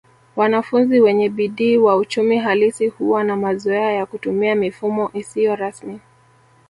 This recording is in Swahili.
Wanafunzi wenye bidii wa uchumi halisi huwa na mazoea ya kutumia mifumo isiyo rasmi